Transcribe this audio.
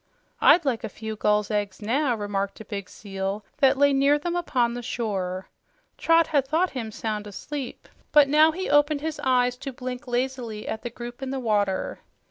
"I'd like a few gulls' eggs now," remarked a big seal that lay near them upon the shore. Trot had thought him sound asleep, but now he opened his eyes to blink lazily at the group in the water.